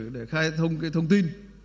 để khai thông thông tin